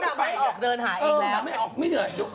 วงดัมไปออกเดินหาอีกแล้วตอนนี้มายังไม่เหนื่อย